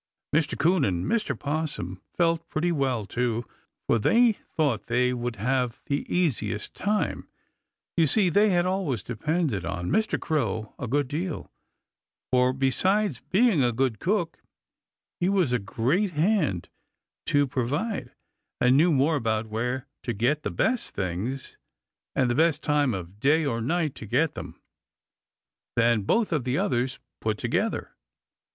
Mr. 'Coon and Mr. 'Possum felt pretty well, too, for they thought they would have the easiest time. You see, they had always depended on Mr. Crow a good deal, for, besides being a good cook, he was a great hand to provide, and knew more about where to get the best things, and the best time of day or night to get them, than both of the others put together.